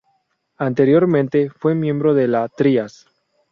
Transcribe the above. Anteriormente fue miembro de la Trias.